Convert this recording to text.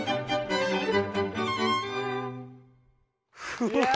うわ！